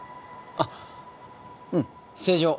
あっうん正常。